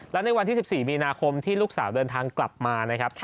และในวันที่๑๔มีนาคมที่ลูกสาวเดินทางกลับมานะครับ